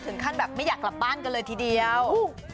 ถึงขั้นแบบไม่อยากกลับบ้านกันเลยทีเดียว